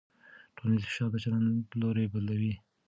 ټولنیز فشار د چلند لوری بدلوي.